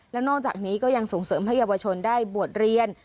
แล้วนอกจากนี้ก็ยังส่งเสริมให้เยาวชนได้บวชเรียน